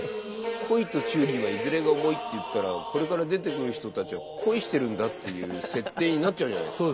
「恋と忠義はいづれが重い」って言ったらこれから出てくる人たちは恋してるんだっていう設定になっちゃうじゃないですか。